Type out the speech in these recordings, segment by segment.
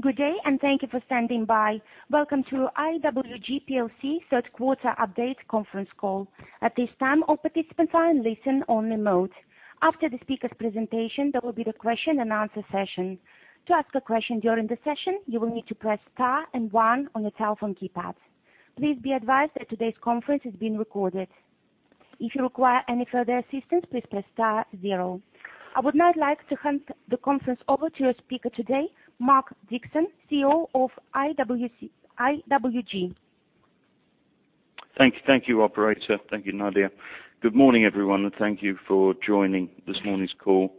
Good day, and thank you for standing by. Welcome to IWG plc third quarter update conference call. At this time, all participants are in listen only mode. After the speaker's presentation, there will be the question and answer session. To ask a question during the session, you will need to press star and one on your telephone keypad. Please be advised that today's conference is being recorded. If you require any further assistance, please press star zero. I would now like to hand the conference over to your speaker today, Mark Dixon, CEO of IWG. Thank you. Thank you, operator. Thank you, Nadia. Good morning, everyone, and thank you for joining this morning's call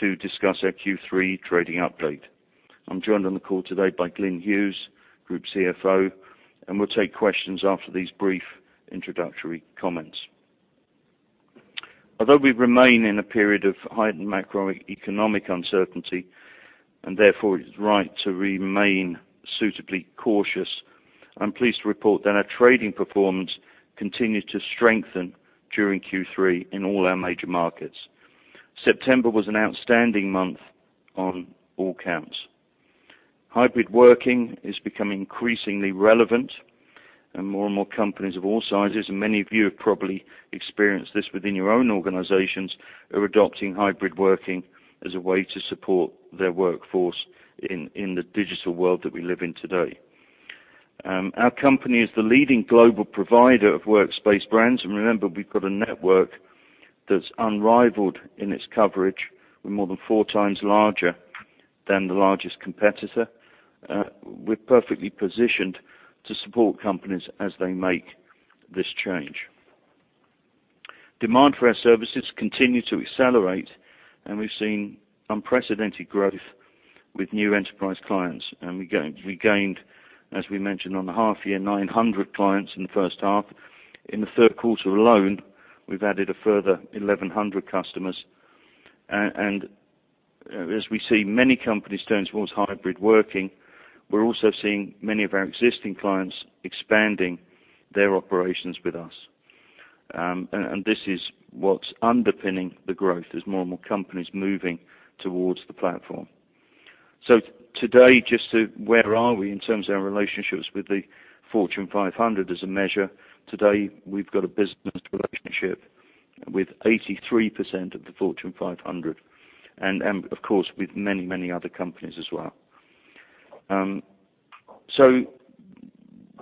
to discuss our Q3 trading update. I'm joined on the call today by Glyn Hughes, Group CFO, and we'll take questions after these brief introductory comments. Although we remain in a period of heightened macroeconomic uncertainty, and therefore it's right to remain suitably cautious, I'm pleased to report that our trading performance continued to strengthen during Q3 in all our major markets. September was an outstanding month on all counts. Hybrid working is becoming increasingly relevant, and more and more companies of all sizes, and many of you have probably experienced this within your own organizations, are adopting hybrid working as a way to support their workforce in the digital world that we live in today. Our company is the leading global provider of workspace brands. Remember, we've got a network that's unrivaled in its coverage. We're more than four times larger than the largest competitor. We're perfectly positioned to support companies as they make this change. Demand for our services continue to accelerate, and we've seen unprecedented growth with new enterprise clients. We gained, as we mentioned on the half year, 900 clients in the H1. In the third quarter alone, we've added a further 1,100 customers. As we see many companies turn towards hybrid working, we're also seeing many of our existing clients expanding their operations with us. This is what's underpinning the growth as more and more companies moving towards the platform. Today, just to where are we in terms of our relationships with the Fortune 500 as a measure. Today, we've got a business relationship with 83% of the Fortune 500 and of course with many other companies as well.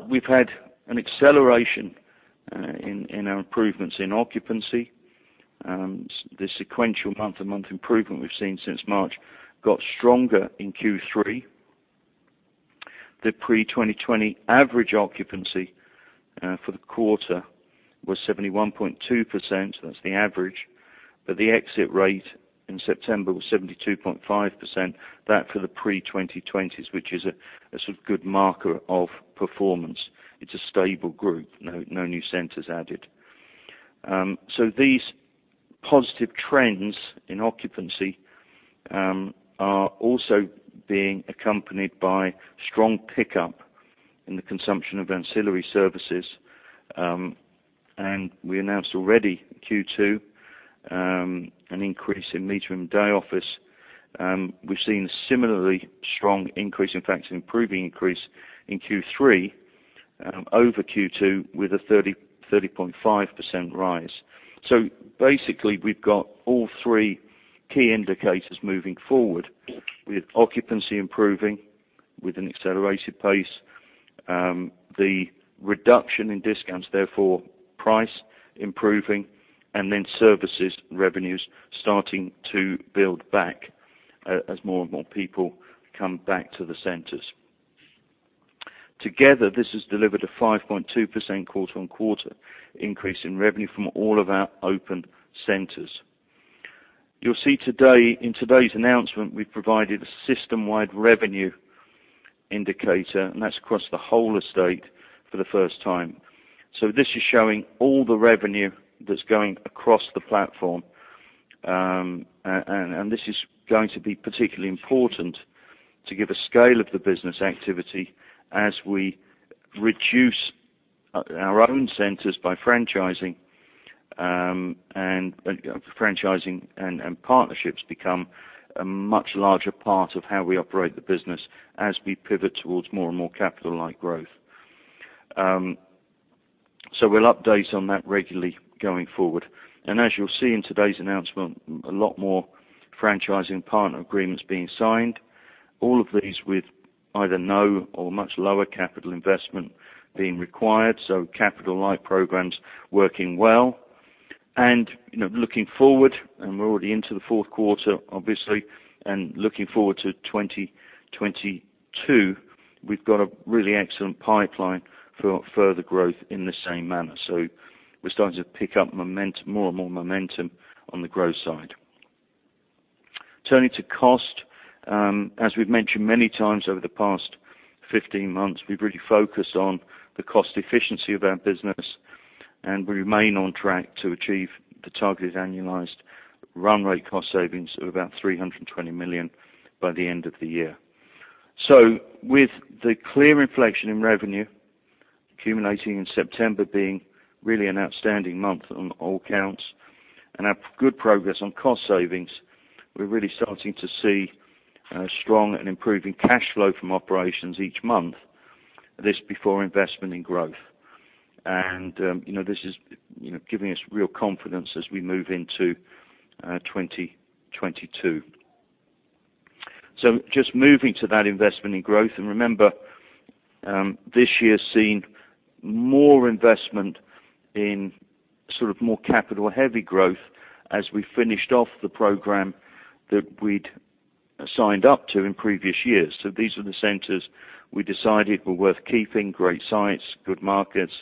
We've had an acceleration in our improvements in occupancy. The sequential month to month improvement we've seen since March got stronger in Q3. The pre-2020 average occupancy for the quarter was 71.2%. That's the average. But the exit rate in September was 72.5%. That for the pre-2020s, which is a sort of good marker of performance. It's a stable group, no new centers added. These positive trends in occupancy are also being accompanied by strong pickup in the consumption of ancillary services. We announced already in Q2 an increase in meeting room day office. We've seen similarly strong increase, in fact an improving increase in Q3, over Q2 with a 30.5% rise. Basically, we've got all three key indicators moving forward. With occupancy improving with an accelerated pace, the reduction in discounts, therefore price improving, and then services revenues starting to build back, as more and more people come back to the centers. Together, this has delivered a 5.2% quarter on quarter increase in revenue from all of our open centers. You'll see today in today's announcement, we've provided a system-wide revenue indicator, and that's across the whole estate for the first time. This is showing all the revenue that's going across the platform. This is going to be particularly important to give a scale of the business activity as we reduce our own centers by franchising and partnerships become a much larger part of how we operate the business as we pivot towards more and more capital-light growth. We'll update on that regularly going forward. As you'll see in today's announcement, a lot more franchising partner agreements being signed. All of these with either no or much lower capital investment being required, so capital-light programs working well. You know, looking forward and we're already into the fourth quarter, obviously, and looking forward to 2022, we've got a really excellent pipeline for further growth in the same manner. We're starting to pick up more and more momentum on the growth side. Turning to cost, as we've mentioned many times over the past 15 months, we've really focused on the cost efficiency of our business, and we remain on track to achieve the targeted annualized run rate cost savings of about 320 million by the end of the year. With the acceleration in revenue accumulating in September being really an outstanding month on all counts and having good progress on cost savings, we're really starting to see strong and improving cash flow from operations each month, this before investment in growth. You know, this is, you know, giving us real confidence as we move into 2022. Just moving to that investment in growth, and remember, this year's seen more investment in sort of more capital heavy growth as we finished off the program that we'd signed up to in previous years. These are the centers we decided were worth keeping, great sites, good markets,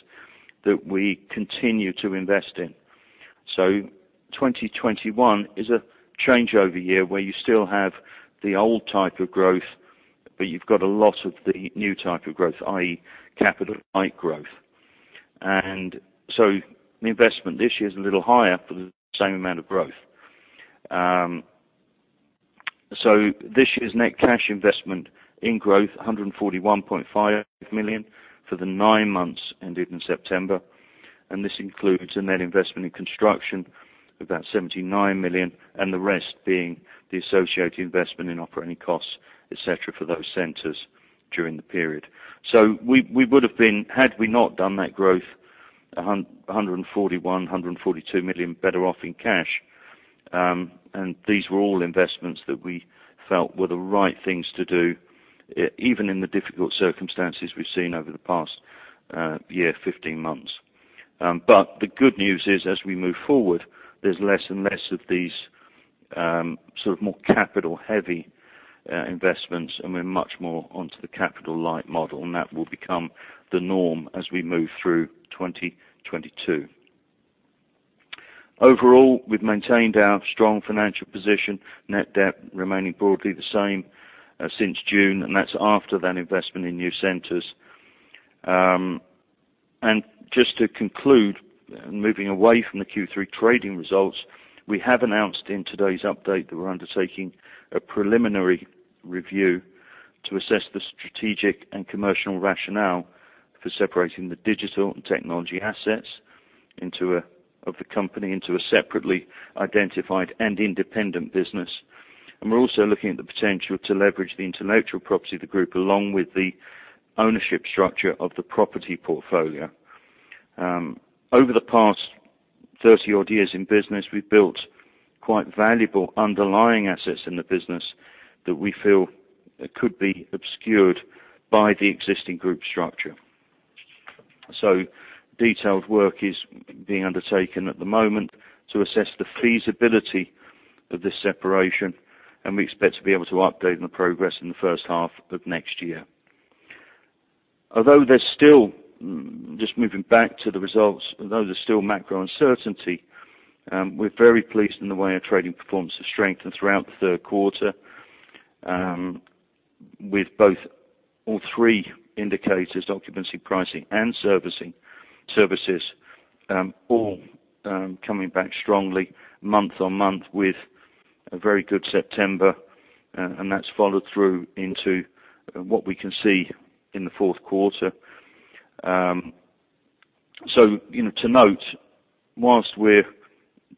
that we continue to invest in. 2021 is a changeover year where you still have the old type of growth, but you've got a lot of the new type of growth, i.e., capital light growth. The investment this year is a little higher for the same amount of growth. This year's net cash investment in growth, 141.5 million for the nine months ending September. This includes a net investment in construction of about 79 million and the rest being the associated investment in operating costs, et cetera, for those centers during the period. We would have been, had we not done that growth, 141 million-142 million better off in cash. These were all investments that we felt were the right things to do, even in the difficult circumstances we've seen over the past year, 15 months. The good news is, as we move forward, there's less and less of these sort of more capital heavy investments, and we're much more onto the capital light model, and that will become the norm as we move through 2022. Overall, we've maintained our strong financial position, net debt remaining broadly the same since June, and that's after that investment in new centers. Just to conclude, moving away from the Q3 trading results, we have announced in today's update that we're undertaking a preliminary review to assess the strategic and commercial rationale for separating the digital and technology assets into a separately identified and independent business. We're also looking at the potential to leverage the intellectual property of the group along with the ownership structure of the property portfolio. Over the past 30 odd years in business, we've built quite valuable underlying assets in the business that we feel could be obscured by the existing group structure. Detailed work is being undertaken at the moment to assess the feasibility of this separation, and we expect to be able to update on the progress in the H1 of next year. Although there's still macro uncertainty, we're very pleased in the way our trading performance has strengthened throughout the third quarter, with all three indicators, occupancy, pricing, and services, all coming back strongly month on month with a very good September, and that's followed through into what we can see in the fourth quarter. You know, to note, whilst we're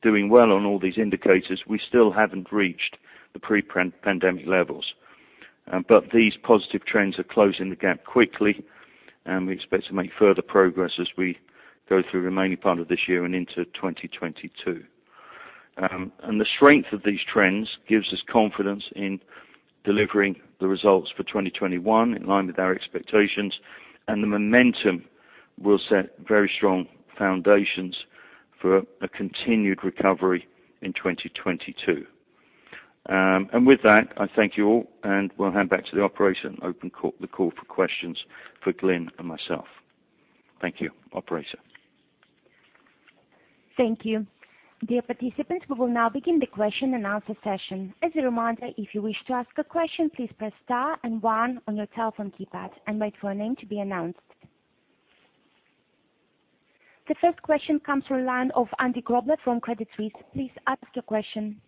doing well on all these indicators, we still haven't reached the pre-pandemic levels. These positive trends are closing the gap quickly, and we expect to make further progress as we go through the remaining part of this year and into 2022. The strength of these trends gives us confidence in delivering the results for 2021 in line with our expectations, and the momentum will set very strong foundations for a continued recovery in 2022. With that, I thank you all, and we'll hand back to the operator and open the call for questions for Glyn and myself. Thank you. Operator. Thank you. Dear participants, we will now begin the question and answer session. As a reminder, if you wish to ask a question, please press star and one on your telephone keypad and wait for your name to be announced. The first question comes from a line of Andrew Shepherd-Barron from Credit Suisse. Please ask your question.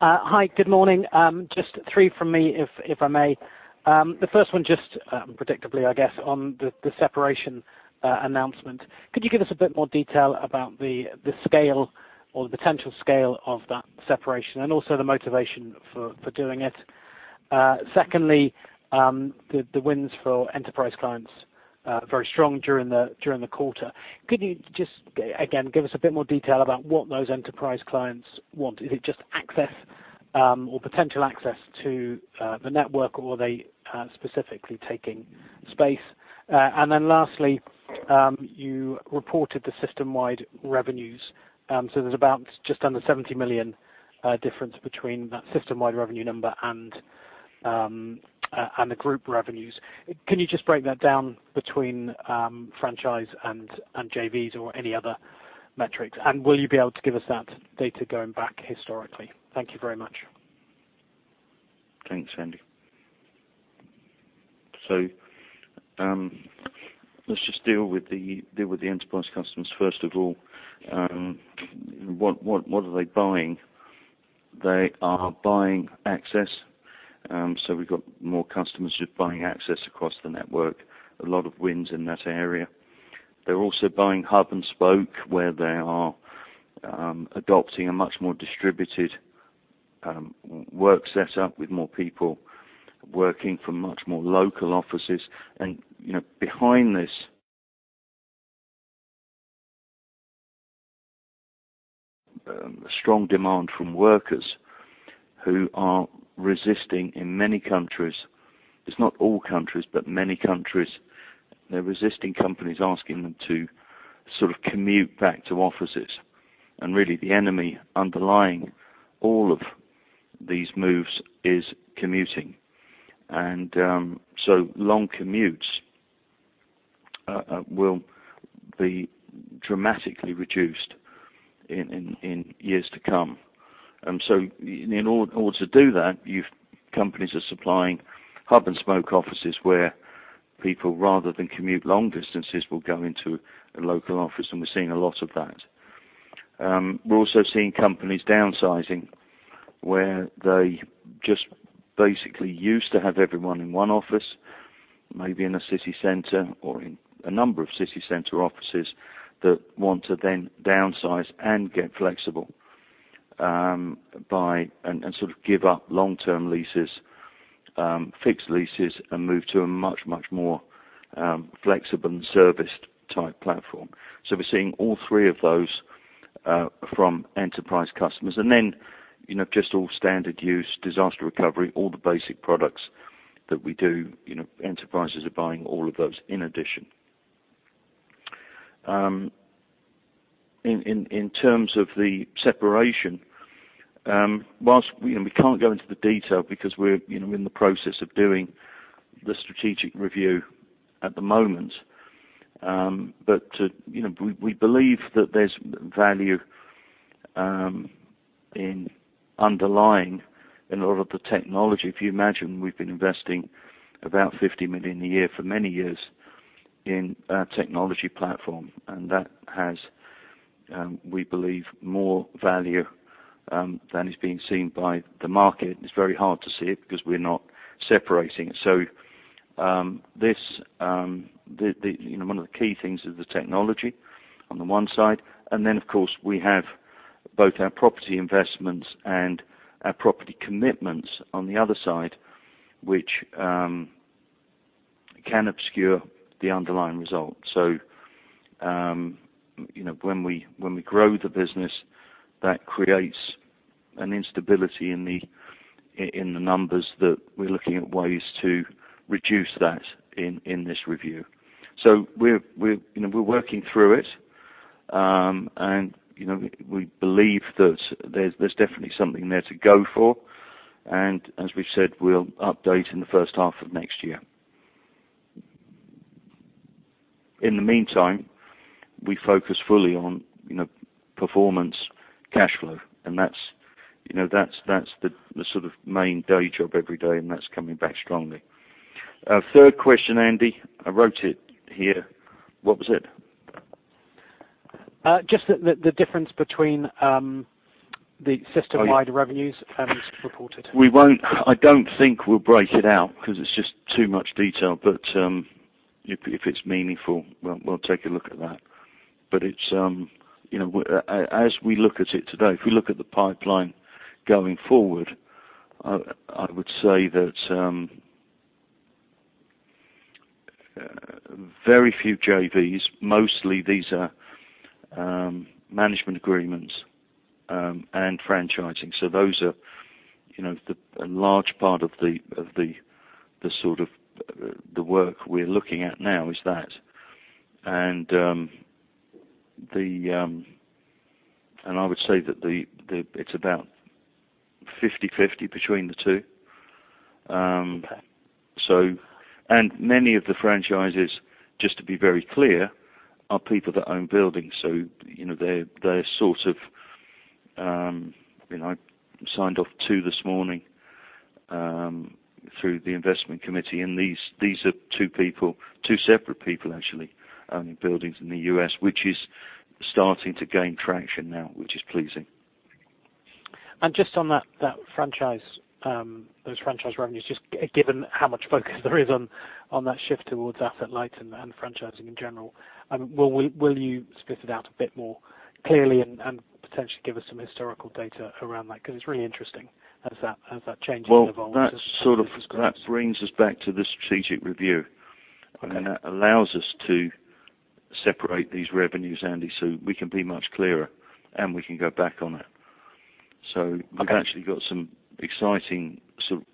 Hi, good morning. Just three from me if I may. The first one just predictably, I guess, on the separation announcement. Could you give us a bit more detail about the scale or the potential scale of that separation and also the motivation for doing it? Secondly, the wins for enterprise clients very strong during the quarter. Could you just again give us a bit more detail about what those enterprise clients want? Is it just access or potential access to the network, or are they specifically taking space? Lastly, you reported the system-wide revenues. There's about just under 70 million difference between that system-wide revenue number and the group revenues. Can you just break that down between franchise and JVs or any other metrics? Will you be able to give us that data going back historically? Thank you very much. Thanks, Andy. Let's just deal with the enterprise customers first of all. What are they buying? They are buying access. We've got more customers just buying access across the network. A lot of wins in that area. They're also buying hub and spoke, where they are adopting a much more distributed work setup, with more people working from much more local offices. You know, behind this strong demand from workers who are resisting in many countries, it's not all countries, but many countries. They're resisting companies asking them to sort of commute back to offices. Really, the enemy underlying all of these moves is commuting. Long commutes will be dramatically reduced in years to come. In order to do that, companies are supplying hub and spoke offices where people, rather than commute long distances, will go into a local office, and we're seeing a lot of that. We're also seeing companies downsizing where they just basically used to have everyone in one office, maybe in a city center or in a number of city center offices that want to then downsize and get flexible, and sort of give up long-term leases, fixed leases, and move to a much, much more flexible and serviced type platform. We're seeing all three of those from enterprise customers. Then, you know, just all standard use, disaster recovery, all the basic products that we do, you know, enterprises are buying all of those in addition. In terms of the separation, while, you know, we can't go into the detail because we're, you know, in the process of doing the strategic review at the moment. You know, we believe that there's value in underlying a lot of the technology. If you imagine, we've been investing about 50 million a year for many years in our technology platform, and that has, we believe, more value than is being seen by the market. It's very hard to see it because we're not separating it. You know, one of the key things is the technology on the one side, and then, of course, we have both our property investments and our property commitments on the other side, which can obscure the underlying results. You know, when we grow the business, that creates an instability in the numbers that we're looking at ways to reduce that in this review. We're working through it. You know, we believe that there's definitely something there to go for. As we've said, we'll update in the H1 of next year. In the meantime, we focus fully on performance, cash flow, and that's the sort of main day job every day, and that's coming back strongly. Third question, Andy, I wrote it here. What was it? Just the difference between the system-wide revenues as reported. I don't think we'll break it out because it's just too much detail. If it's meaningful, we'll take a look at that. As we look at it today, if we look at the pipeline going forward, I would say that very few JVs, mostly these are management agreements and franchising. Those are you know, a large part of the sort of work we're looking at now is that. I would say that it's about 50/50 between the two. Many of the franchises, just to be very clear, are people that own buildings. You know, they're sort of you know. I signed off on two this morning through the investment committee, and these are two people, two separate people actually, owning buildings in the U.S., which is starting to gain traction now, which is pleasing. Just on that franchise, those franchise revenues, just given how much focus there is on that shift towards asset light and franchising in general, I mean, will you split it out a bit more clearly and potentially give us some historical data around that? Because it's really interesting as that changes and evolves. Well, that sort of, that brings us back to the strategic review. That allows us to separate these revenues, Andy, so we can be much clearer and we can go back on it. Okay. We've actually got some exciting sort of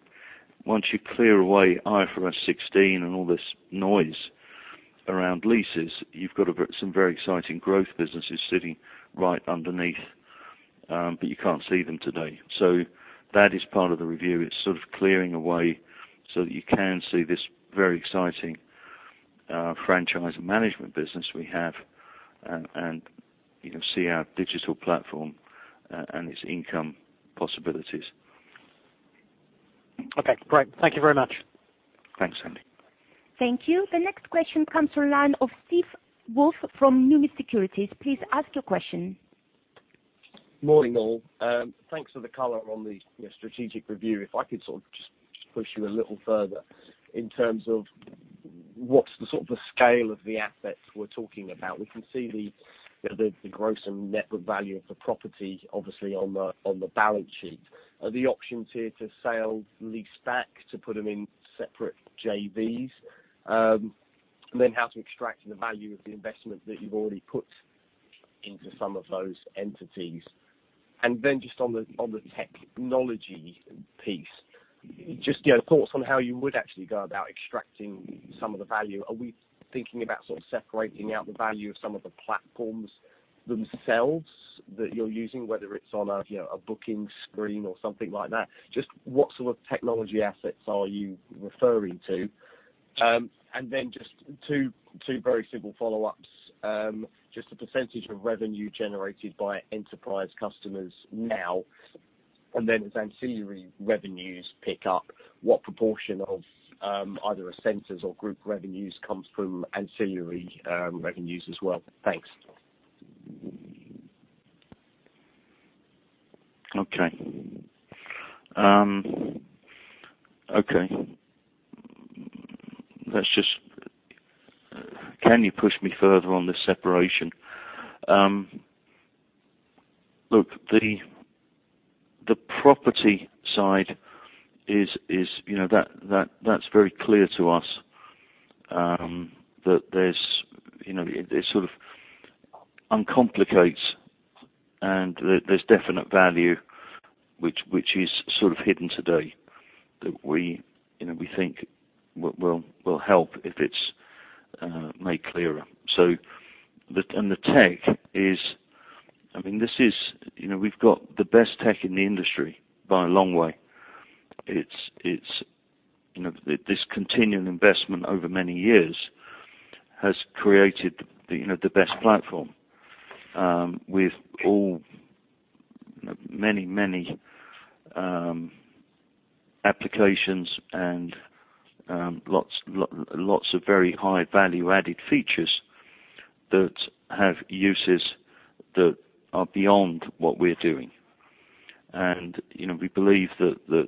once you clear away IFRS 16 and all this noise around leases, you've got some very exciting growth businesses sitting right underneath, but you can't see them today. That is part of the review. It's sort of clearing away so that you can see this very exciting franchise management business we have and you can see our digital platform and its income possibilities. Okay, great. Thank you very much. Thanks, Andy. Thank you. The next question comes from the line of Steve Wolf from Numis Securities. Please ask your question. Morning, all. Thanks for the color on the, you know, strategic review. If I could sort of just push you a little further in terms of what's the sort of scale of the assets we're talking about. We can see the, you know, the gross and net book value of the property, obviously on the balance sheet. Are the options here to sale and leaseback to put them in separate JVs? How to extract the value of the investment that you've already put into some of those entities. Just on the technology piece, just, you know, thoughts on how you would actually go about extracting some of the value. Are we thinking about sort of separating out the value of some of the platforms themselves that you're using, whether it's on a, you know, a booking screen or something like that? Just what sort of technology assets are you referring to? Just two very simple follow-ups. Just a percentage of revenue generated by enterprise customers now, and then as ancillary revenues pick up, what proportion of either ancillary or group revenues comes from ancillary revenues as well? Thanks. Okay. Can you push me further on the separation? Look, the property side is, you know, that's very clear to us, that there's, you know, it sort of uncomplicates and there's definite value which is sort of hidden today, that we, you know, we think will help if it's made clearer. The tech is, I mean, this is, you know, we've got the best tech in the industry by a long way. It's, you know, this continuing investment over many years has created the, you know, the best platform with all, you know, many applications and lots of very high value-added features that have uses that are beyond what we're doing. You know, we believe that there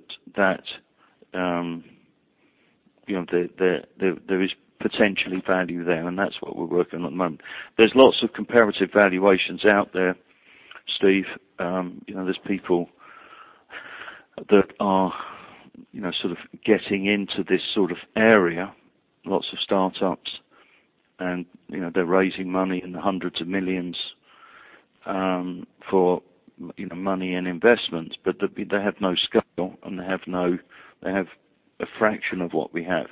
is potentially value there, and that's what we're working on at the moment. There's lots of comparative valuations out there, Steve. You know, there's people that are, you know, sort of getting into this sort of area, lots of startups and, you know, they're raising money in the hundreds of millions, for, you know, money and investments. But they have no scale, and they have no they have a fraction of what we have.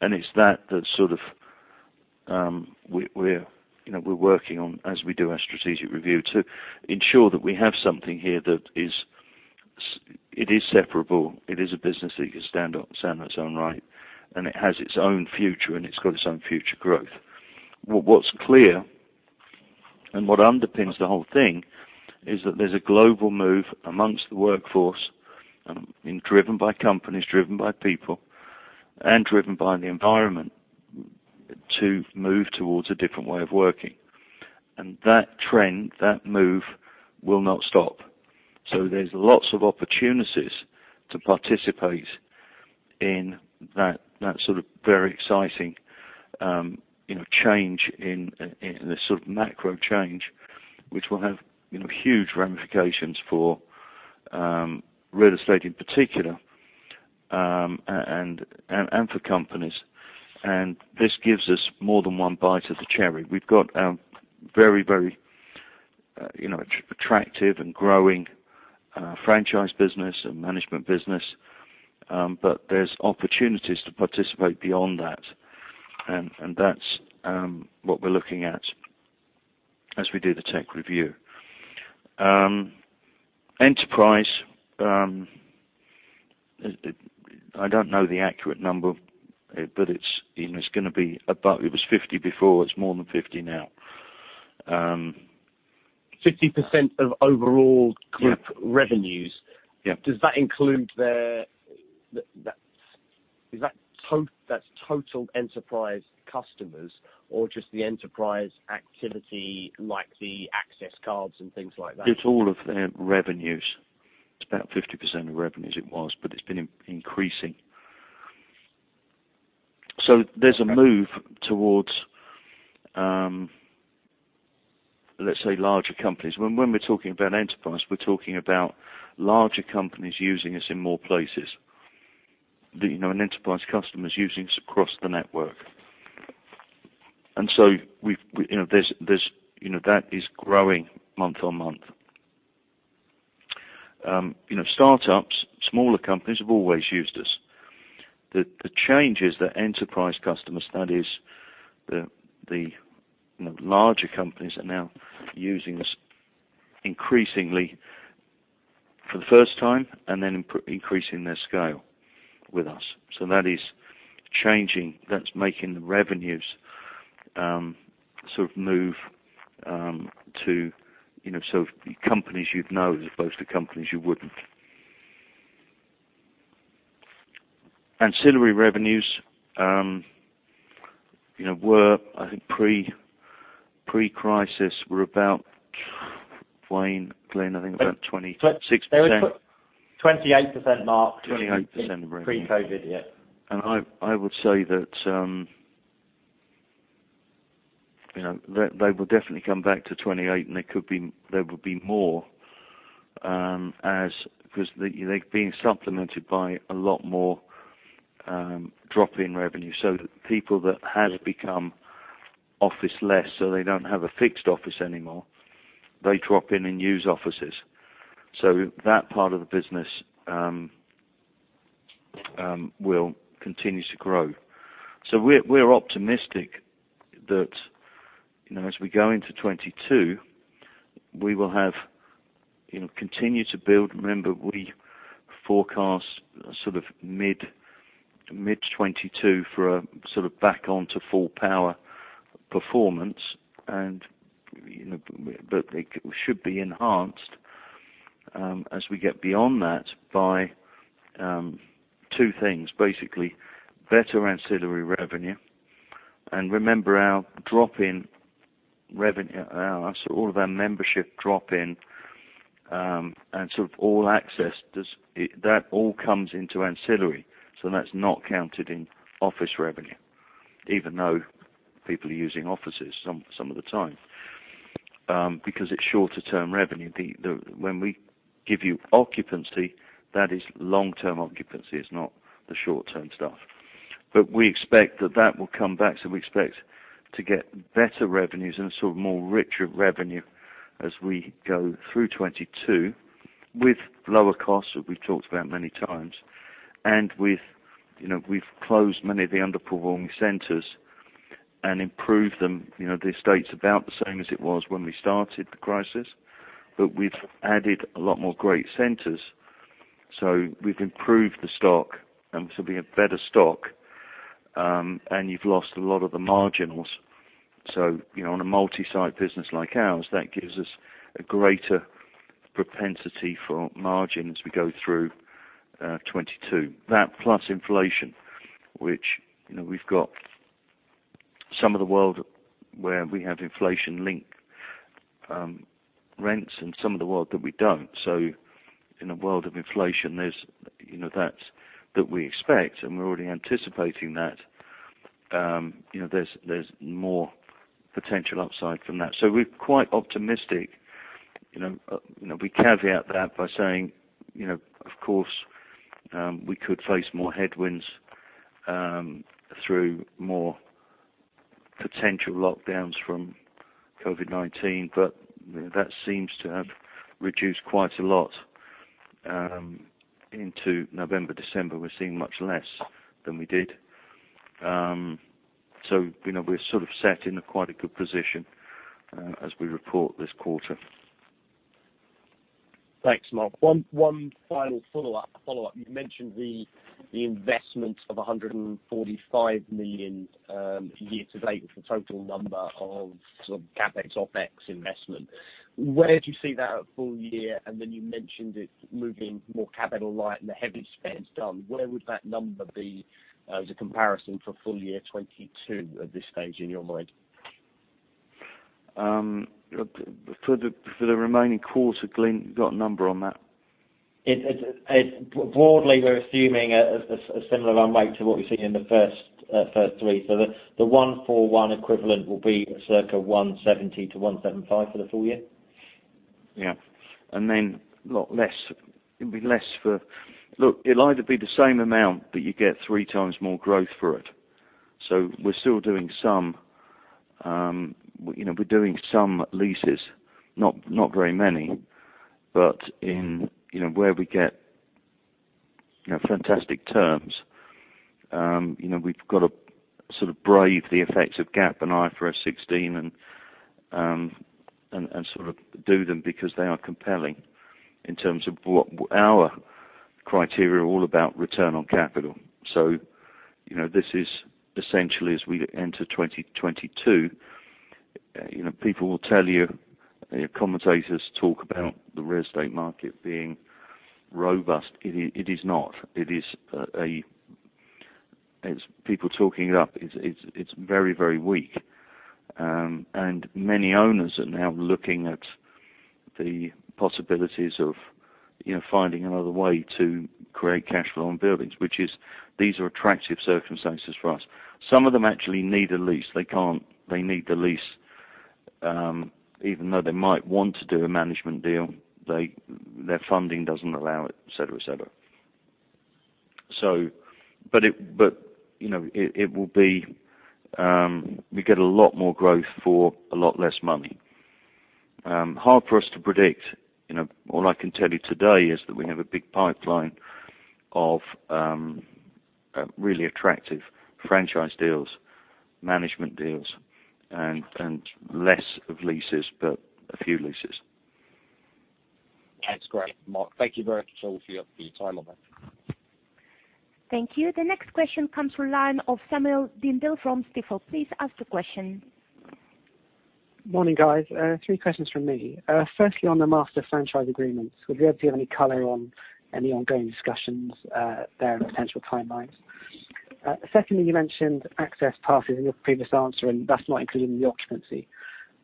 And it's that sort of, we're, you know, we're working on as we do our strategic review to ensure that we have something here that it is separable, it is a business that can stand on its own right, and it has its own future and it's got its own future growth. What's clear and what underpins the whole thing is that there's a global move amongst the workforce, and driven by companies, driven by people, and driven by the environment to move towards a different way of working. That trend, that move will not stop. There's lots of opportunities to participate in that sort of very exciting, you know, change in this sort of macro change, which will have, you know, huge ramifications for, real estate in particular, and for companies. This gives us more than one bite of the cherry. We've got a very, you know, attractive and growing, franchise business and management business. There's opportunities to participate beyond that. That's what we're looking at as we do the tech review. Enterprise, I don't know the accurate number, but it's, you know, it's gonna be about it was 50 before, it's more than 50 now. 50% of overall- Yeah. group revenues. Yeah. Does that include their total enterprise customers or just the enterprise activity like the access cards and things like that? It's all of their revenues. It's about 50% of revenues it was, but it's been increasing. There's a move towards, let's say, larger companies. When we're talking about an enterprise, we're talking about larger companies using us in more places. You know, an enterprise customer is using us across the network. We've you know, there's you know, that is growing month on month. You know, startups, smaller companies have always used us. The changes that enterprise customers, that is the you know, larger companies are now using us increasingly for the first time and then increasing their scale with us. That is changing. That's making the revenues sort of move to, you know, sort of companies you'd know as opposed to companies you wouldn't. Ancillary revenues, you know, were, I think, pre-crisis were about... Wayne, Glyn, I think about 26%. They were 28%, Mark. 28% revenue. Pre-COVID, yeah. I would say that, you know, that they will definitely come back to 28%, and they would be more, as because they're being supplemented by a lot more drop-in revenue. People that have become office-less, so they don't have a fixed office anymore, they drop in and use offices. That part of the business will continue to grow. We're optimistic that, you know, as we go into 2022, we will have, you know, continue to build. Remember, we forecast sort of mid-2022 for a sort of back on to full power performance and, you know, but it should be enhanced, as we get beyond that by two things, basically better ancillary revenue. Remember our drop-in revenue, so all of our membership drop-in and sort of all access just. That all comes into ancillary, so that's not counted in office revenue, even though people are using offices some of the time. Because it's shorter-term revenue. When we give you occupancy, that is long-term occupancy. It's not the short-term stuff. We expect that will come back, so we expect to get better revenues and sort of more richer revenue as we go through 2022 with lower costs, that we've talked about many times. With you know, we've closed many of the underperforming centers and improved them. You know, the estate's about the same as it was when we started the crisis, but we've added a lot more great centers. We've improved the stock and so we have better stock, and you've lost a lot of the marginals. You know, on a multi-site business like ours, that gives us a greater propensity for margin as we go through 2022. That plus inflation, which, you know, we've got some of the world where we have inflation-linked rents and some of the world that we don't. In a world of inflation, there's you know that's that we expect, and we're already anticipating that. You know, there's more potential upside from that. We're quite optimistic. You know, you know, we caveat that by saying, you know, of course, we could face more headwinds through more potential lockdowns from COVID-19, but you know, that seems to have reduced quite a lot into November, December. We're seeing much less than we did. You know, we're sort of set in a quite good position as we report this quarter. Thanks, Mark. One final follow-up. You mentioned the investment of 145 million year to date was the total number of sort of CapEx, OpEx investment. Where do you see that full year? And then you mentioned it moving more capital light and the heavy spend is done. Where would that number be as a comparison for full year 2022 at this stage, in your mind? For the remaining quarter, Glyn, you got a number on that? Broadly, we're assuming a similar run rate to what we've seen in the first three. The 141 equivalent will be circa 170-175 for the full year. Yeah. A lot less. It'll be less. Look, it'll either be the same amount, but you get three times more growth for it. We're still doing some, you know, we're doing some leases, not very many. In, you know, where we get, you know, fantastic terms, you know, we've got to sort of brave the effects of GAAP and IFRS 16 and sort of do them because they are compelling in terms of what our criteria are all about return on capital. You know, this is essentially as we enter 2022, you know, people will tell you know, commentators talk about the real estate market being robust. It is not. It is. It's people talking it up. It's very weak. Many owners are now looking at the possibilities of, you know, finding another way to create cash flow on buildings, which is, these are attractive circumstances for us. Some of them actually need a lease. They need the lease. Even though they might want to do a management deal, they, their funding doesn't allow it, et cetera. But, you know, it will be, we get a lot more growth for a lot less money. Hard for us to predict. You know, all I can tell you today is that we have a big pipeline of really attractive franchise deals, management deals, and less of leases, but a few leases. That's great, Mark. Thank you very much all of you for your time on that. Thank you. The next question comes from the line of Sam Sindel from Stifel. Please ask the question. Morning, guys. Three questions from me. Firstly, on the master franchise agreements, would you be able to give any color on any ongoing discussions, there and potential timelines? Secondly, you mentioned access passes in your previous answer, and that's not included in the occupancy.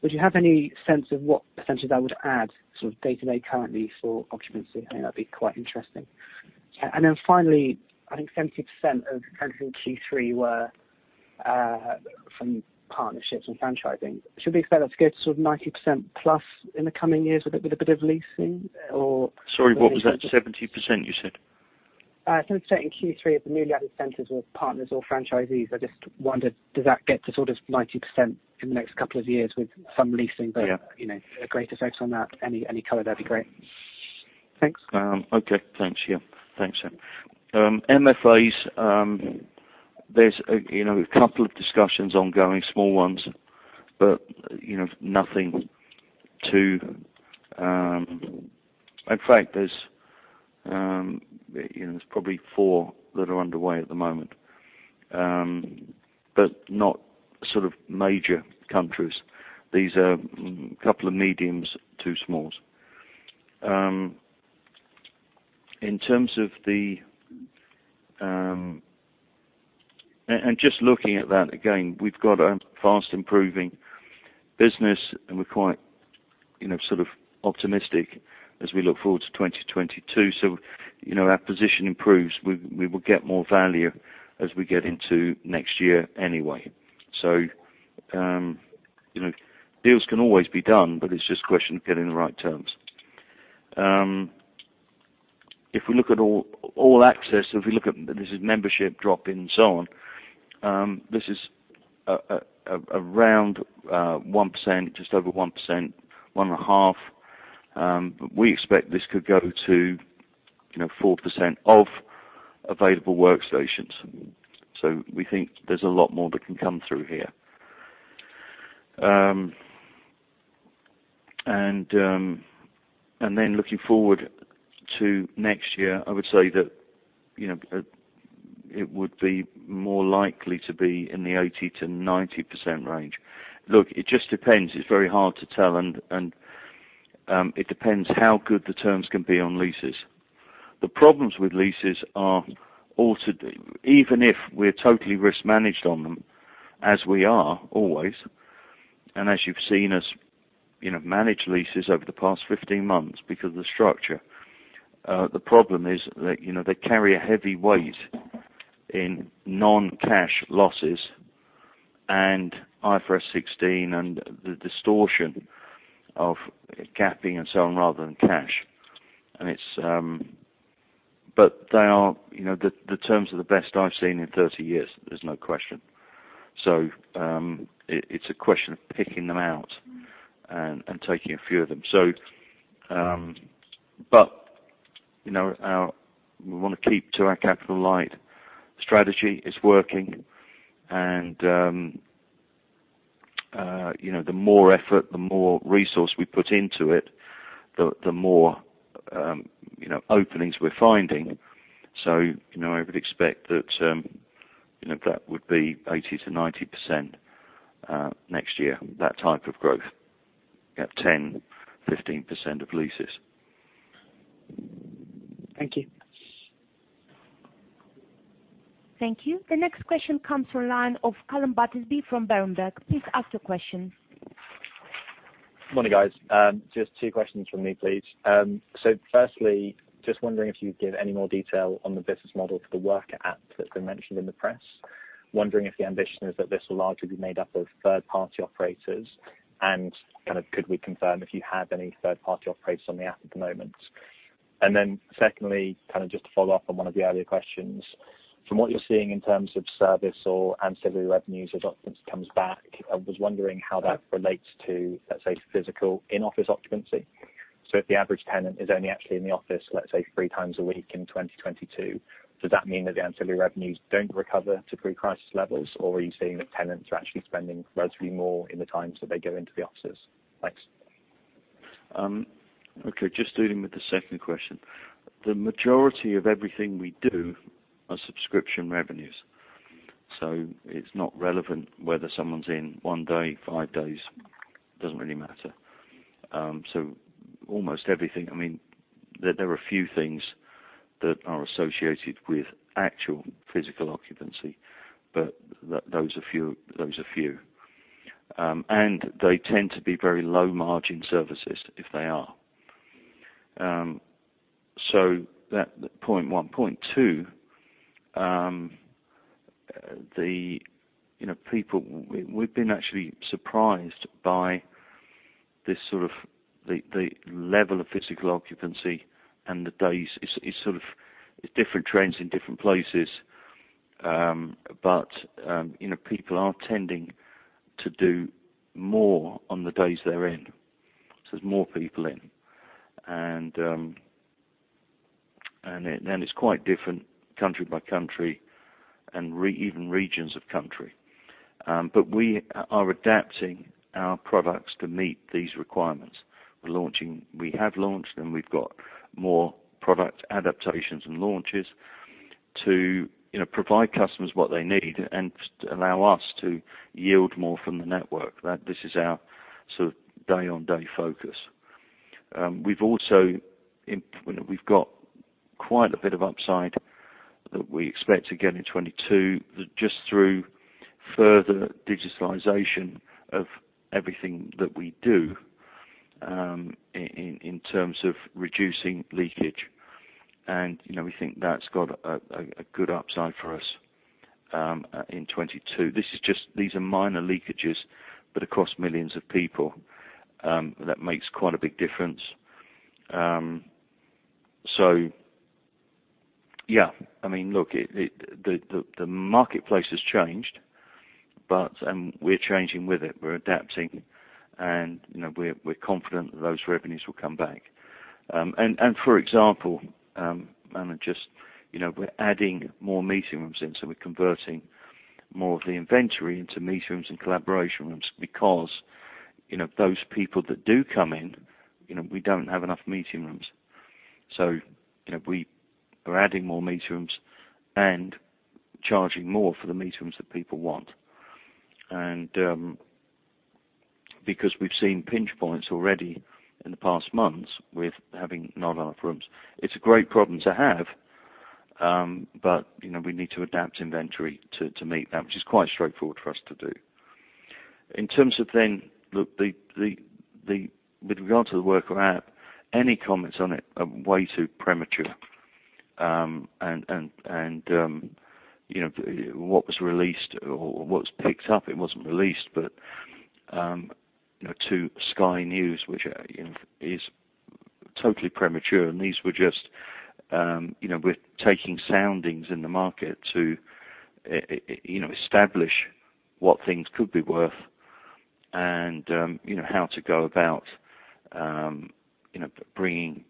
Would you have any sense of what potentially that would add sort of day to day currently for occupancy? I think that'd be quite interesting. Then finally, I think 70% of centers in Q3 were from partnerships and franchising. Should we expect that to go to sort of 90% plus in the coming years with a bit of leasing or- Sorry, what was that? 70% you said? 70% in Q3 of the newly added centers were partners or franchisees. I just wondered, does that get to sort of 90% in the next couple of years with some leasing? Yeah you know, a great effect on that? Any color, that'd be great. Thanks. Okay. Thanks, yeah. Thanks. MFAs, there's, you know, a couple of discussions ongoing, small ones, but, you know, nothing to. In fact, there's, you know, probably four that are underway at the moment, but not sort of major countries. These are couple of mediums, two smalls. In terms of the and just looking at that, again, we've got a fast improving business, and we're quite, you know, sort of optimistic as we look forward to 2022. You know, our position improves. We will get more value as we get into next year anyway. You know, deals can always be done, but it's just a question of getting the right terms. If we look at all access, this is membership drop-in, so on, this is around 1%, just over 1%, 1.5%. We expect this could go to, you know, 4% of available workstations. We think there's a lot more that can come through here. Looking forward to next year, I would say that, you know, it would be more likely to be in the 80%-90% range. Look, it just depends. It's very hard to tell, and it depends how good the terms can be on leases. The problems with leases are also, even if we're totally risk managed on them, as we are always, and as you've seen us, you know, manage leases over the past 15 months because of the structure, the problem is that, you know, they carry a heavy weight in non-cash losses and IFRS 16 and the distortion of capping and so on rather than cash. They are, you know, the terms are the best I've seen in 30 years, there's no question. It's a question of picking them out and taking a few of them. You know, we wanna keep to our capital light strategy. It's working and, you know, the more effort, the more resource we put into it, the more, you know, openings we're finding. You know, I would expect that, you know, that would be 80%-90% next year, that type of growth at 10-15% of leases. Thank you. Thank you. The next question comes from the line of Calum Battersby from Berenberg. Please ask your question. Morning, guys. Just two questions from me, please. Firstly, just wondering if you'd give any more detail on the business model for the work app that's been mentioned in the press. Wondering if the ambition is that this will largely be made up of third-party operators. Kind of, could we confirm if you have any third-party operators on the app at the moment? Then secondly, kind of just to follow up on one of the earlier questions. From what you're seeing in terms of service or ancillary revenues as occupancy comes back, I was wondering how that relates to, let's say, physical in-office occupancy. If the average tenant is only actually in the office, let's say three times a week in 2022, does that mean that the ancillary revenues don't recover to pre-crisis levels, or are you seeing that tenants are actually spending relatively more in the times that they go into the offices? Thanks. Okay, just dealing with the second question. The majority of everything we do are subscription revenues. It's not relevant whether someone's in one day, five days, doesn't really matter. Almost everything. I mean, there are a few things that are associated with actual physical occupancy, but those are few. They tend to be very low margin services if they are. That point one. Point two, you know, people, we've been actually surprised by this sort of the level of physical occupancy and the days. It's sort of different trends in different places. You know, people are tending to do more on the days they're in, so there's more people in. It's quite different country by country and even regions of country. We are adapting our products to meet these requirements. We have launched, and we've got more product adaptations and launches to, you know, provide customers what they need and allow us to yield more from the network. That this is our sort of day on day focus. We've got quite a bit of upside that we expect to get in 2022 just through further digitalization of everything that we do, in terms of reducing leakage. You know, we think that's got a good upside for us in 2022. These are minor leakages, but across millions of people, that makes quite a big difference. Yeah, I mean, look, the marketplace has changed, but we're changing with it. We're adapting and, you know, we're confident that those revenues will come back. For example, just, you know, we're adding more meeting rooms, so we're converting more of the inventory into meeting rooms and collaboration rooms because, you know, those people that do come in, you know, we don't have enough meeting rooms. You know, we are adding more meeting rooms and charging more for the meeting rooms that people want. Because we've seen pinch points already in the past months with having not enough rooms. It's a great problem to have, but, you know, we need to adapt inventory to meet that, which is quite straightforward for us to do. With regard to the worker app, any comments on it are way too premature. You know, what was released or what was picked up, it wasn't released, but you know, to Sky News, which you know, is totally premature, and these were just you know, we're taking soundings in the market to you know, establish what things could be worth and you know, how to go about you know, bringing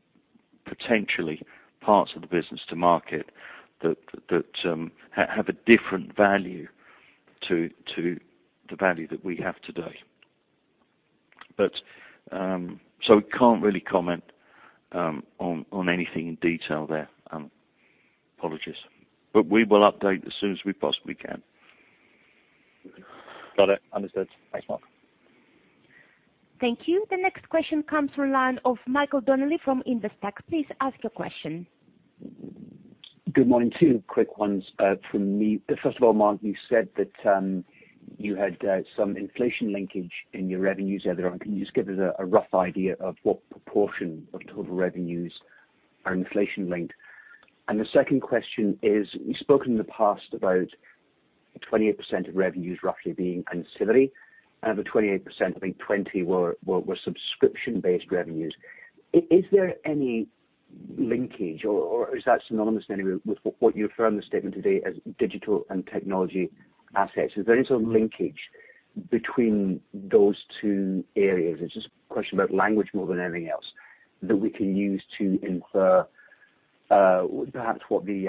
potentially parts of the business to market that have a different value to the value that we have today. Can't really comment on anything in detail there. Apologies. We will update as soon as we possibly can. Got it. Understood. Thanks, Mark. Thank you. The next question comes from the line of Michael Donnelly from Investec. Please ask your question. Good morning. Two quick ones from me. First of all, Mark, you said that you had some inflation linkage in your revenues the other day. Can you just give us a rough idea of what proportion of total revenues are inflation-linked? The second question is, you've spoken in the past about 28% of revenues roughly being ancillary, and of the 28%, I think 20 were subscription-based revenues. Is there any linkage or is that synonymous in any way with what you refer in the statement today as digital and technology assets? Is there any sort of linkage between those two areas? It's just a question about language more than anything else, that we can use to infer, perhaps what the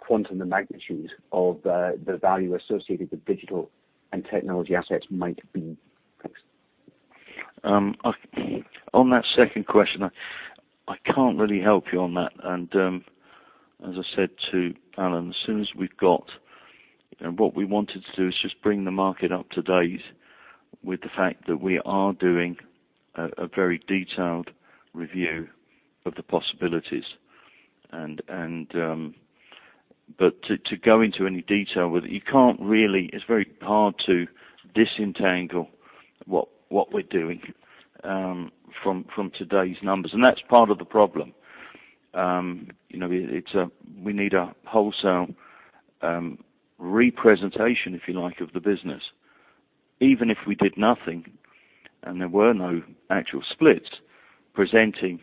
quantum, the magnitudes of, the value associated with digital and technology assets might be. Thanks. On that second question, I can't really help you on that. As I said to Colin Battersby, you know, what we wanted to do is just bring the market up to date with the fact that we are doing a very detailed review of the possibilities, but to go into any detail with it, you can't really. It's very hard to disentangle what we're doing from today's numbers, and that's part of the problem. You know, we need a wholesale representation, if you like, of the business. Even if we did nothing and there were no actual splits, presenting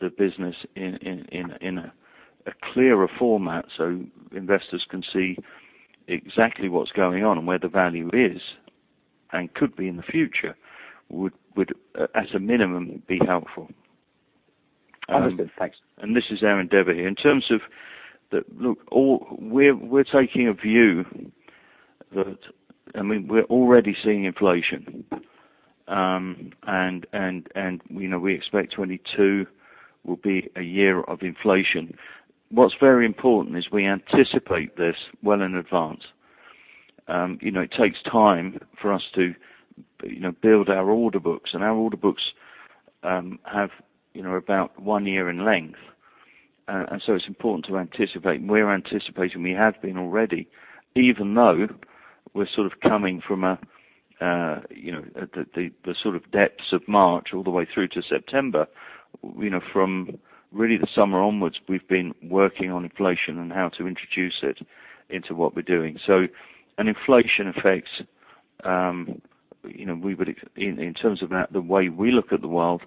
the business in a clearer format so investors can see exactly what's going on and where the value is and could be in the future would, at a minimum, be helpful. Understood. Thanks. This is Aaron Deva here. We're taking a view that, I mean, we're already seeing inflation. You know, we expect 2022 will be a year of inflation. What's very important is we anticipate this well in advance. You know, it takes time for us to you know build our order books, and our order books have you know about one year in length. It's important to anticipate, and we're anticipating, we have been already, even though we're sort of coming from a you know the sort of depths of March all the way through to September. You know, from really the summer onwards, we've been working on inflation and how to introduce it into what we're doing. Inflation affects, you know, in terms of that, the way we look at the world,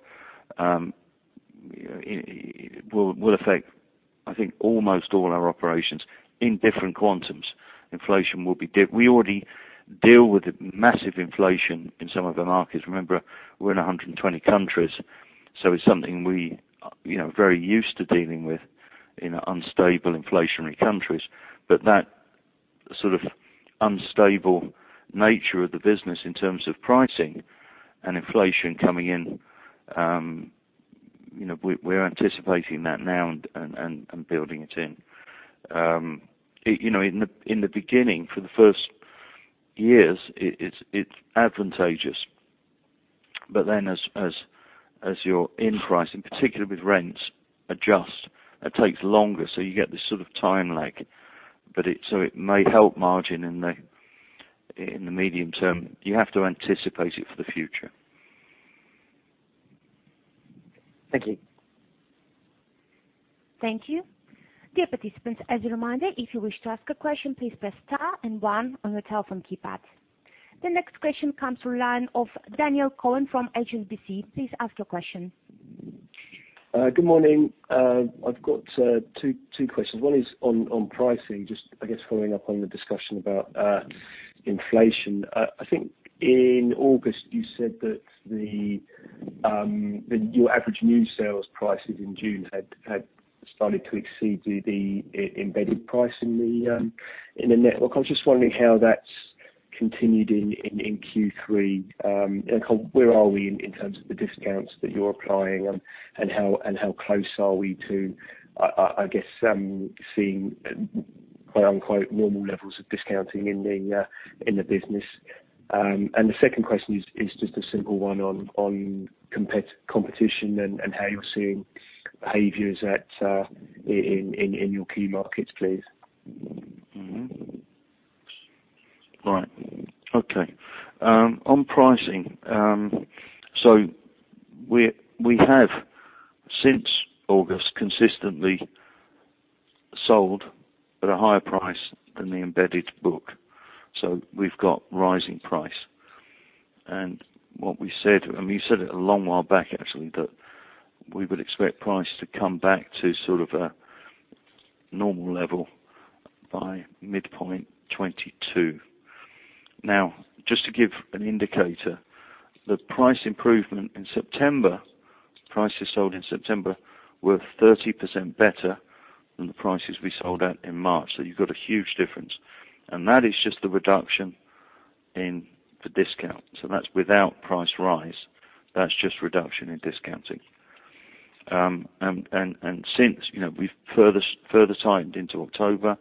it will affect, I think, almost all our operations in different quantums. We already deal with massive inflation in some of the markets. Remember, we're in 120 countries, so it's something we, you know, very used to dealing with in unstable inflationary countries. That sort of unstable nature of the business in terms of pricing and inflation coming in, you know, we're anticipating that now and building it in. You know, in the beginning, for the first years, it's advantageous. Then as your input price, in particular with rents, adjust, it takes longer, so you get this sort of time lag. It It may help margin in the medium term. You have to anticipate it for the future. Thank you. Thank you. Dear participants, as a reminder, if you wish to ask a question, please press star and one on your telephone keypads. The next question comes from the line of Daniel Cohen from HSBC. Please ask your question. Good morning. I've got two questions. One is on pricing, just, I guess, following up on the discussion about inflation. I think in August you said that your average new sales prices in June had started to exceed the embedded price in the network. I'm just wondering how that's continued in Q3. Kind of where are we in terms of the discounts that you're applying and how close are we to, I guess, seeing quote-unquote, "normal levels of discounting" in the business? The second question is just a simple one on competition and how you're seeing behaviors in your key markets, please. On pricing, we have since August consistently sold at a higher price than the embedded book. We've got rising price. What we said, we said it a long while back actually, that we would expect price to come back to sort of a normal level by mid-point 2022. Now, just to give an indicator, the price improvement in September. Prices sold in September were 30% better than the prices we sold at in March. You've got a huge difference. That is just the reduction in the discount. That's without price rise. That's just reduction in discounting. Since you know, we've further tightened into October,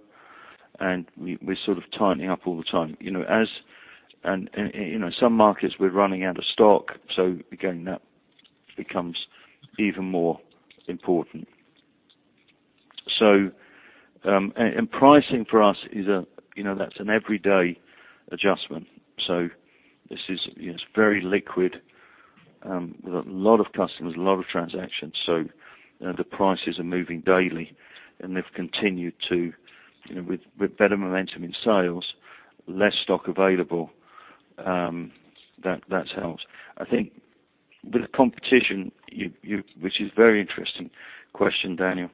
and we're sort of tightening up all the time. You know, some markets we're running out of stock, so again, that becomes even more important. Pricing for us is a you know, that's an everyday adjustment, so this is, you know, it's very liquid. We've got a lot of customers, a lot of transactions, so, you know, the prices are moving daily, and they've continued to, you know, with better momentum in sales, less stock available, that helps. I think with the competition. Which is a very interesting question, Daniel.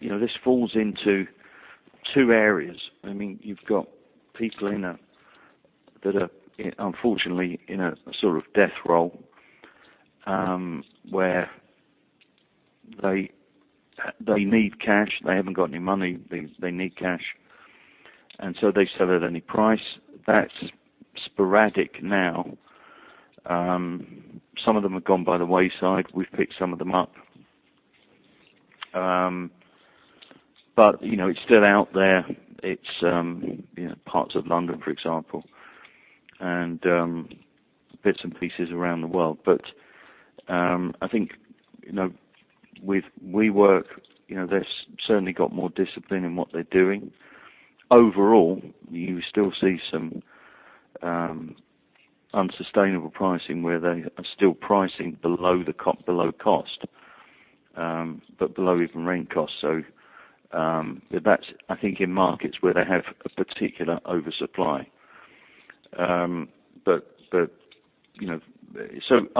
You know, this falls into two areas. I mean, you've got people that are, unfortunately, in a sort of death spiral, where they need cash. They haven't got any money. They need cash. They sell at any price. That's sporadic now. Some of them have gone by the wayside. We've picked some of them up. You know, it's still out there. It's, you know, parts of London, for example. Bits and pieces around the world. I think, you know, with WeWork, you know, they've certainly got more discipline in what they're doing. Overall, you still see some unsustainable pricing where they are still pricing below cost, but below even rent cost. That's, I think, in markets where they have a particular oversupply.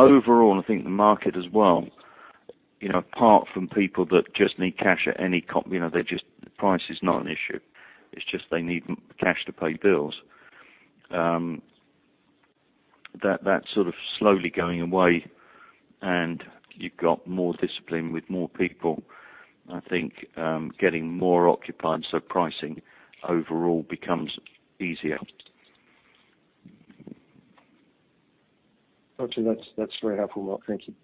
Overall, I think the market as well, you know, apart from people that just need cash at any cost, you know, price is not an issue. It's just they need cash to pay bills. That's sort of slowly going away and you've got more discipline with more people, I think, getting more occupied, so pricing overall becomes easier. Okay. That's very helpful, Mark. Thank you.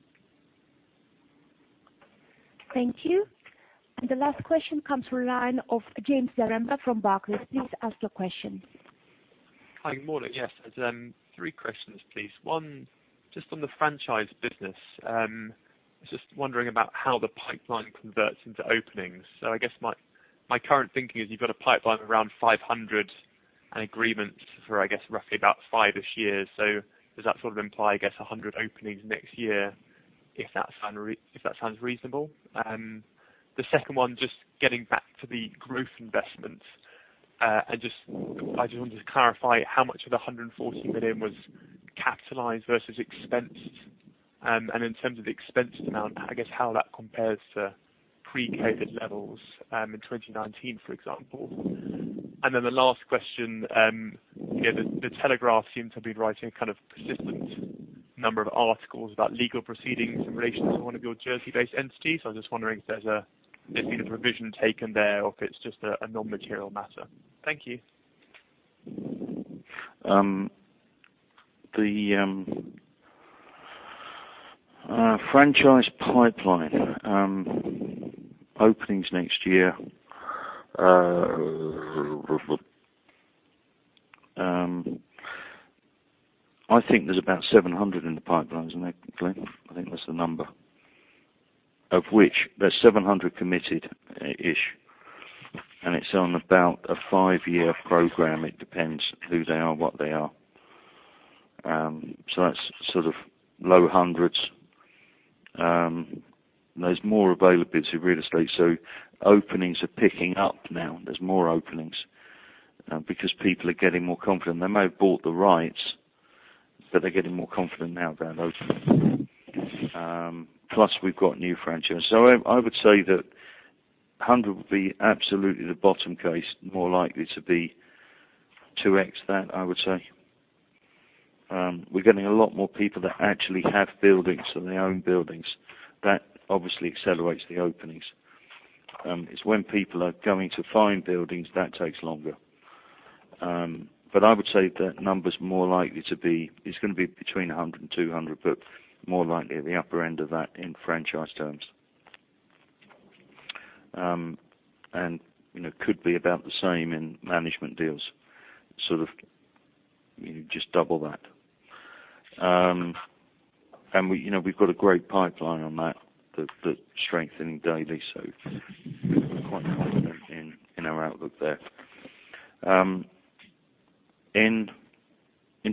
Thank you. The last question comes through the line of James Zarembka from Barclays. Please ask your question. Hi. Morning. Yes. I've three questions, please. One, just on the franchise business, I was just wondering about how the pipeline converts into openings. I guess my current thinking is you've got a pipeline of around 500 and agreements for, I guess, roughly about five ish years. Does that sort of imply, I guess, 100 openings next year? If that sounds reasonable. The second one, just getting back to the growth investments. I just wanted to clarify how much of the 140 million was capitalized versus expensed. In terms of the expense amount, I guess how that compares to pre-COVID levels, in 2019, for example. Then the last question, you know, The Telegraph seems to be writing kind of persistent number of articles about legal proceedings in relation to one of your Jersey-based entities. I'm just wondering if there's been a provision taken there or if it's just a non-material matter. Thank you. The franchise pipeline, openings next year, I think there's about 700 in the pipelines, isn't it, Glyn? I think that's the number. Of which there's 700 committed, ish, and it's on about a five year program. It depends who they are, what they are. That's sort of low hundreds. There's more availability of real estate, so openings are picking up now. There's more openings because people are getting more confident. They may have bought the rights, but they're getting more confident now about opening. Plus we've got new franchises. I would say that hundred would be absolutely the bottom case, more likely to be 2x that, I would say. We're getting a lot more people that actually have buildings and they own buildings. That obviously accelerates the openings. It's when people are going to find buildings that takes longer. But I would say the number's more likely to be. It's gonna be between 100 and 200, but more likely at the upper end of that in franchise terms. You know, could be about the same in management deals, sort of, you know, just double that. We, you know, we've got a great pipeline on that that's strengthening daily, so we're quite confident in our outlook there. In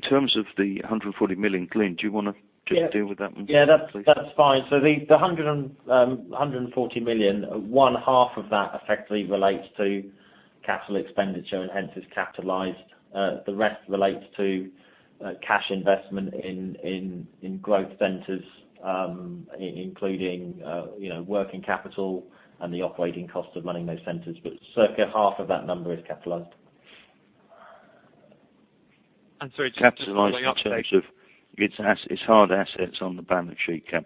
terms of 140 million, Glyn, do you wanna just deal with that one, please? Yeah. Yeah. That's fine. The hundred and forty million, one half of that effectively relates to capital expenditure and hence is capitalized. The rest relates to cash investment in growth centers, including, you know, working capital and the operating cost of running those centers. Circa half of that number is capitalized. It's Capitalized in terms of its hard assets on the balance sheet. And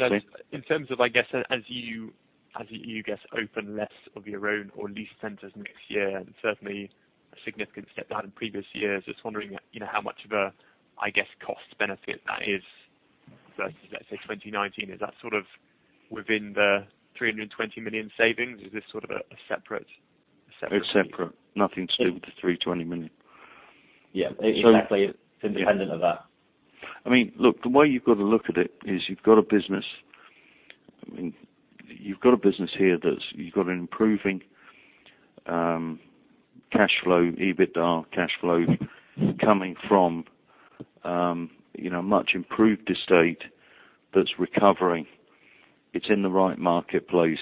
then- Glyn... in terms of, I guess, as you guys open less of your own or leased centers next year, and certainly a significant step down in previous years, just wondering, you know, how much of a, I guess, cost benefit that is versus, let's say, 2019. Is that sort of within the 320 million savings? Is this sort of a separate fee? It's separate. Nothing to do with the 320 million. Yeah. So- Exactly. It's independent of that. I mean, look, the way you've got to look at it is you've got a business, I mean, you've got a business here. You've got an improving cash flow, EBITDA cash flow coming from you know, much improved estate that's recovering. It's in the right marketplace.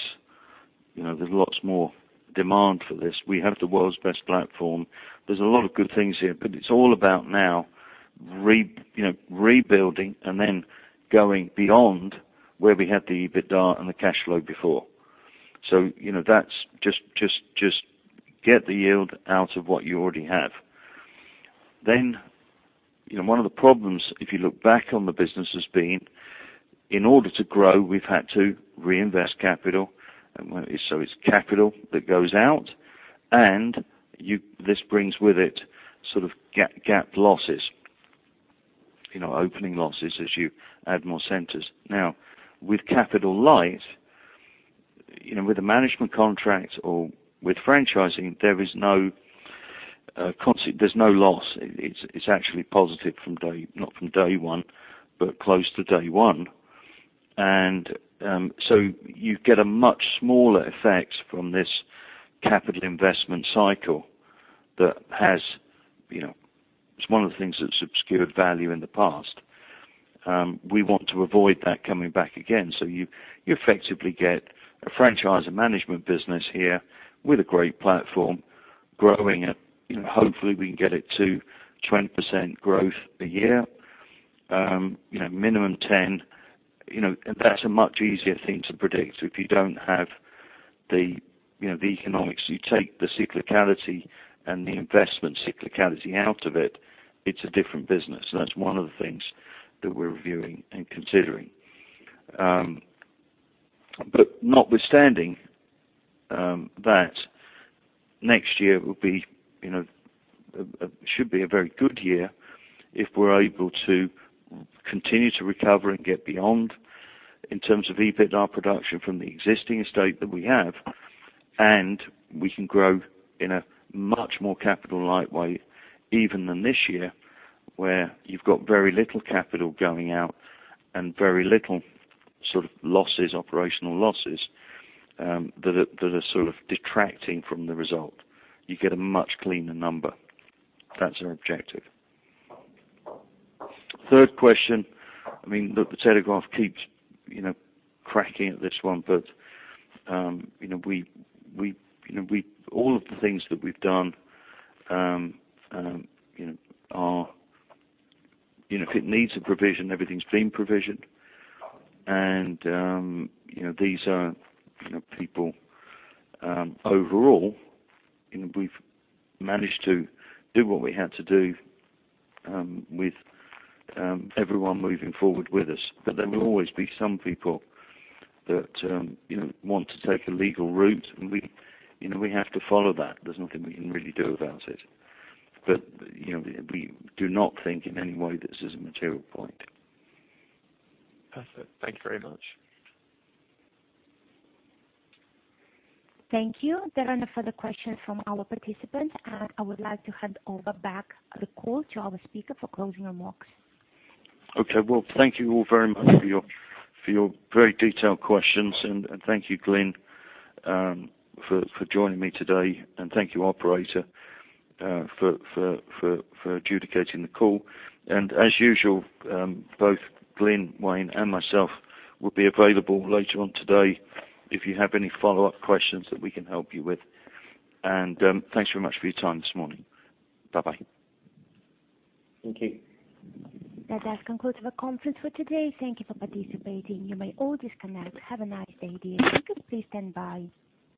You know, there's lots more demand for this. We have the world's best platform. There's a lot of good things here, but it's all about now you know, rebuilding and then going beyond where we had the EBITDA and the cash flow before. You know, that's just get the yield out of what you already have. You know, one of the problems, if you look back on the business, has been in order to grow, we've had to reinvest capital, and when it It's capital that goes out, this brings with it sort of gap losses, opening losses as you add more centers. Now, with capital light, with the management contracts or with franchising, there is no loss. It's actually positive, not from day one, but close to day one. You get a much smaller effect from this capital investment cycle that has obscured value in the past. It's one of the things that's obscured value in the past. We want to avoid that coming back again. You effectively get a franchise, a management business here with a great platform growing at, hopefully we can get it to 20% growth a year, minimum 10%. That's a much easier thing to predict. If you don't have the, you know, the economics, you take the cyclicality and the investment cyclicality out of it's a different business. That's one of the things that we're reviewing and considering. But notwithstanding that next year will be, you know, a very good year if we're able to continue to recover and get beyond in terms of EBITDA production from the existing estate that we have, and we can grow in a much more capital light way even than this year, where you've got very little capital going out and very little sort of losses, operational losses that are sort of detracting from the result. You get a much cleaner number. That's our objective. Third question, I mean, look, The Telegraph keeps, you know, cracking at this one. You know, we, you know, we... All of the things that we've done, you know, if it needs a provision, everything's been provisioned. You know, these are people, overall, you know, we've managed to do what we had to do with everyone moving forward with us. There will always be some people that, you know, want to take a legal route, and we, you know, we have to follow that. There's nothing we can really do about it. You know, we do not think in any way this is a material point. Perfect. Thank you very much. Thank you. There are no further questions from our participants, and I would like to hand over back the call to our speaker for closing remarks. Okay. Well, thank you all very much for your very detailed questions. Thank you, Glyn, for joining me today. Thank you, operator, for adjudicating the call. As usual, both Glyn, Wayne, and myself will be available later on today if you have any follow-up questions that we can help you with. Thanks very much for your time this morning. Bye-bye. Thank you. That does conclude the conference for today. Thank you for participating. You may all disconnect. Have a nice day. Do please stand by.